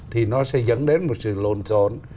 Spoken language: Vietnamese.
thì nó sẽ dẫn đến một sự lộn xộn